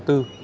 thưa đồng chí